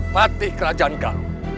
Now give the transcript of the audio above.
patih kerajaan galau